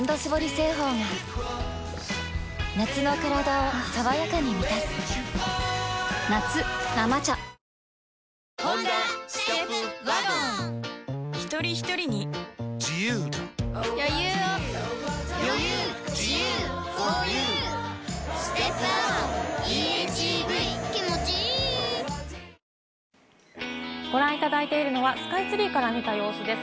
製法が夏のカラダを爽やかに満たす夏「生茶」ご覧いただいているのはスカイツリーから見た様子です。